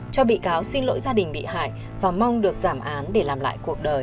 cho bị cáo xin lỗi gia đình bị hại và mong được giảm án để làm lại